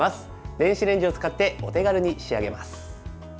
電子レンジを使ってお手軽に仕上げます。